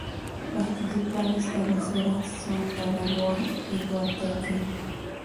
Las principales cabeceras son Garagoa y Guateque.